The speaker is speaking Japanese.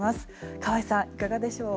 川合さん、いかがでしょう。